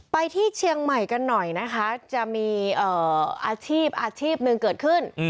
ที่เชียงใหม่กันหน่อยนะคะจะมีอาชีพอาชีพหนึ่งเกิดขึ้น